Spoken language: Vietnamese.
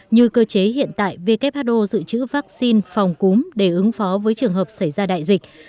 như cơ chế hiện tại who dự trữ vaccine phòng cúm để ứng phó với trường hợp xảy ra đại dịch